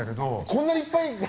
こんなにいっぱい。